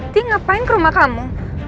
ti ngapain ke rumah kamu